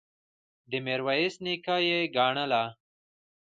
د میرویس نیکه یې ګڼله.